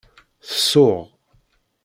Tsuɣ.